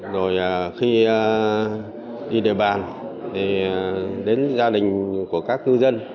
rồi khi đi đề bàn thì đến gia đình của các ngư dân